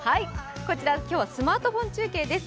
こちら、今日はスマートフォン中継です。